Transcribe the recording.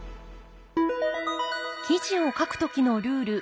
記事を書く時のルール